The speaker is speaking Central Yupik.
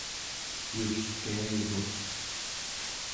yulkiaguq